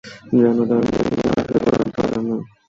যেমন, তার মেয়েকে নিয়ে হাসাহাসি করা ধরনের?